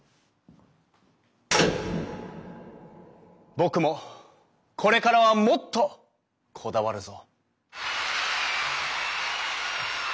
僕もこれからはもっとこだわるぞ。